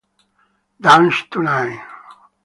Dance Tonight!